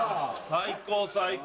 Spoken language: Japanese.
最高最高。